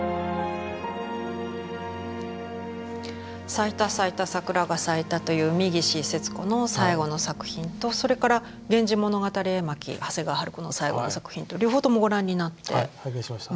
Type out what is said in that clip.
「さいたさいたさくらがさいた」という三岸節子の最後の作品とそれから「源氏物語絵巻」長谷川春子の最後の作品と両方ともご覧になって。拝見しました。